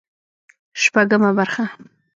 شپږمه برخه